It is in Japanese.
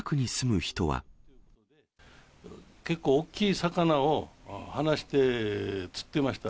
結構、大きい魚を放して釣ってました。